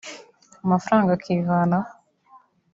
amafaranga ikivanaho